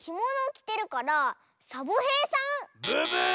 ブブーッ！